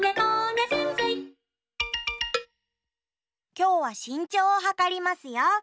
きょうはしんちょうをはかりますよ。